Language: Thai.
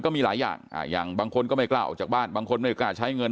มีหลายอย่างอย่างบางคนก็ไม่กล้าออกจากบ้านบางคนไม่กล้าใช้เงิน